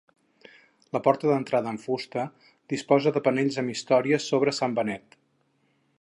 La porta d'entrada, en fusta, disposa de panells amb històries sobre Sant Benet.